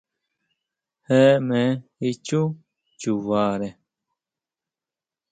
Jee me ichú chubare.